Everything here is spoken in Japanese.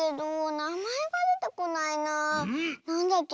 なんだっけ？